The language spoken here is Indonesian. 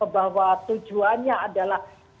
bahwa tujuannya adalah